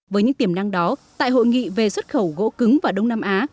với những tiềm năng đó tại hội nghị về xuất khẩu gỗ cứng và đông nam á